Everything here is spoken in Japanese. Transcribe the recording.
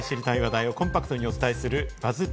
続いては見たい知りたい話題をコンパクトにお伝えするＢＵＺＺ